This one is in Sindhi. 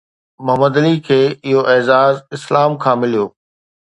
محمد علي کي اهو اعزاز اسلام کان مليو